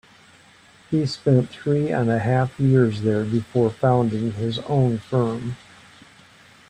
He spent three and a half years there before founding his own firm.